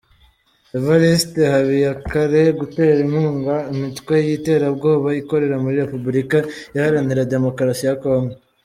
Evariste Habiyakare, gutera inkunga imitwe y’iterabwoba ikorera muri Repubulika iharanira Demokarasi ya Congo